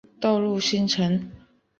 道路新城。